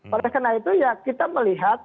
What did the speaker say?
oleh karena itu ya kita melihat